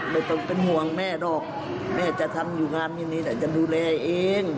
ไม่ต้องเป็นห่วงแม่หรอกแม่จะทำอยู่งานไม่มีแต่จะดูแลเอง